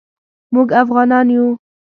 موږ افعانان یو